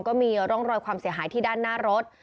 ก็มีร่องรอยความเสียหายที่ด้านหน้ารถ